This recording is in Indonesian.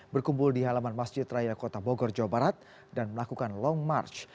berkumpul di halaman masjid raya kota bogor jawa barat dan melakukan long march